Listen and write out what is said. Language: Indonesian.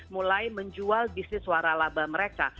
mulai menjual bisnis waralaba mereka